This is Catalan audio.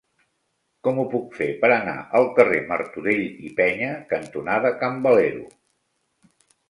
Com ho puc fer per anar al carrer Martorell i Peña cantonada Can Valero?